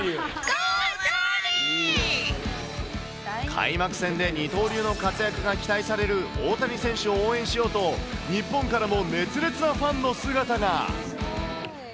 開幕戦で二刀流の活躍が期待される大谷選手を応援しようと、日本からも熱烈なファンの姿が。